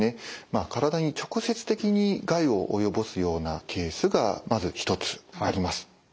体に直接的に害をおよぼすようなケースがまず一つあります。